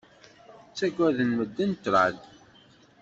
Ttagaden medden ṭṭṛad.